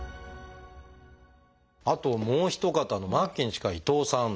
あともうお一方の末期に近い伊藤さん。